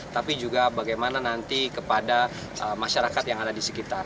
tapi juga bagaimana nanti kepada masyarakat yang ada di sekitar